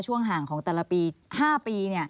ช่วงห่างของแต่ละปี๕ปี